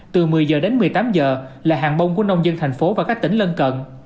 từ một mươi h đến một mươi tám h là hàng bông của nông dân thành phố và các tỉnh lân cận